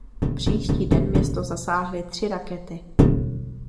Příští den město zasáhly tři rakety.